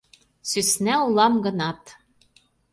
СӦСНА УЛАМ ГЫНАТ...